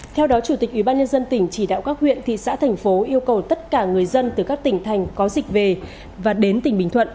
theo đó chủ tịch ubnd tỉnh chỉ đạo các huyện thị xã thành phố yêu cầu tất cả người dân từ các tỉnh thành có dịch về và đến tỉnh bình thuận